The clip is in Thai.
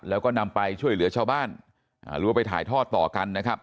แล้วก็นำไปช่วยเหลือชาวบ้านหรือว่าไปถ่ายทอดต่อกันนะครับ